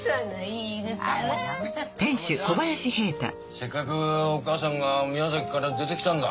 せっかくお母さんが宮崎から出てきたんだ。